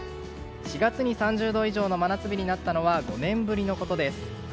４月に３０度以上の真夏日になったのは５年ぶりのことです。